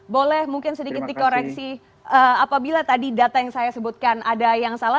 boleh mungkin sedikit dikoreksi apabila tadi data yang saya sebutkan ada yang salah